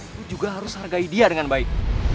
itu juga harus hargai dia dengan baik